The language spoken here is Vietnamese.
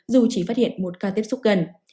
dù chỉ phát hiện một cao tiếp xúc gần